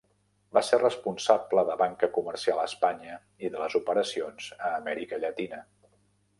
Va ser responsable de Banca comercial a Espanya i de les operacions a Amèrica Llatina.